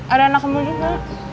ado anakmu juga